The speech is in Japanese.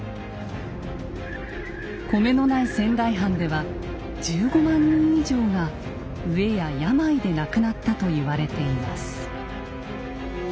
米のない仙台藩では１５万人以上が飢えや病で亡くなったと言われています。